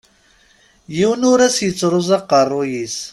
Yiwen ur as-yettruẓ aqerruy-is.